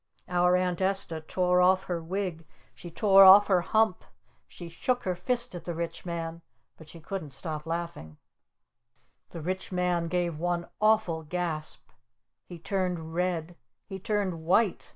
Our Aunt Esta tore off her wig! She tore off her hump! She shook her fist at the Rich Man! But she couldn't stop laughing! The Rich Man gave one awful gasp! He turned red! He turned white!